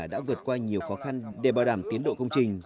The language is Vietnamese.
đã vượt qua nhiều khó khăn để bảo đảm tiến độ công trình